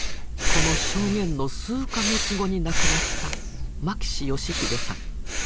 この証言の数か月後に亡くなった牧志義秀さん。